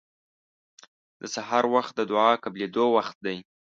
د سحر وخت د دعا قبلېدو وخت دی.